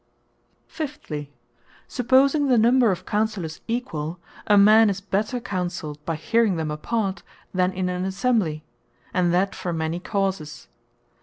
Fifthly, Supposing the number of Counsellors equall, a man is better Counselled by hearing them apart, then in an Assembly; and that for many causes.